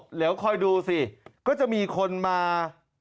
เดี๋ยวคอยดูสิก็จะมีคนมา